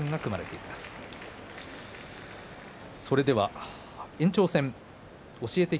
それでは延長戦「教えて！